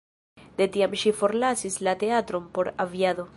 De tiam ŝi forlasis la teatron por aviado.